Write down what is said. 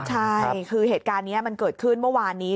ใช่คือเหตุการณ์นี้มันเกิดขึ้นเมื่อวานนี้